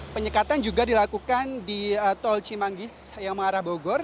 penyekatan juga dilakukan di tol cimanggis yang mengarah bogor